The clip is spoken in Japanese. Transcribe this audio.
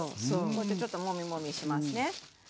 こうやってちょっともみもみしますね。